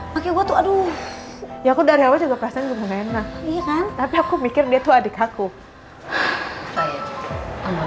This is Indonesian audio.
pakai gua tuh aduh ya aku dari awal juga perasaan juga enak tapi aku mikir dia tuh adik aku